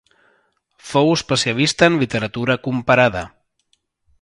Fou especialista en literatura comparada.